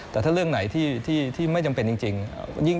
แต่ถ้าเรื่องไหนที่ไม่จำเป็นจริง